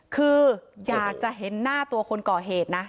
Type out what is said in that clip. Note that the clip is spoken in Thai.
คืออยากจะเห็นหน้าตัวคนก่อเหตุนะ